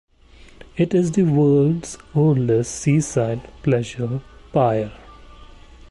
It is the world's oldest seaside pleasure pier.